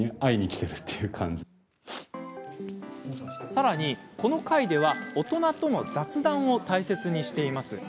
さらに、この会では大人との雑談を大切にしています。